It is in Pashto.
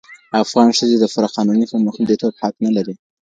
افغان ښځي د پوره قانوني خوندیتوب حق نه لري.